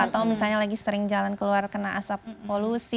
atau misalnya lagi sering jalan keluar kena asap polusi